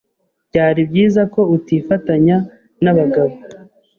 Byari byiza ko utifatanya nabagabo.